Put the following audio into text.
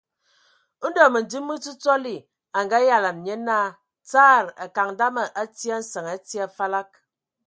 Ndɔ Məndim me Ntsotsɔli a ngayalan nye naa : Tsaarr...ra : Akaŋ dama a tii a nsəŋ, a tii a falag !